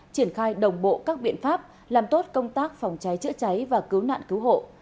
triển khai đồng bộ các biện pháp làm tốt công tác phòng cháy chữa cháy và cứu nạn cứu hộ